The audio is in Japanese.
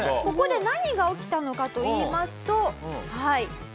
ここで何が起きたのかといいますとはい。